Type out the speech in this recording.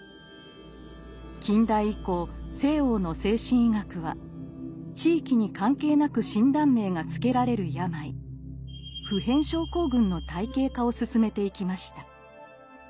近代以降西欧の精神医学は地域に関係なく診断名が付けられる病「普遍症候群」の体系化を進めていきました。